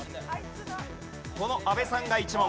この阿部さんが１問。